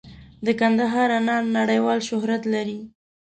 د کندهار انار نړیوال شهرت لري.